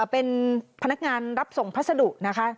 เป็นพนักงานรับส่งพัสดุนะคะ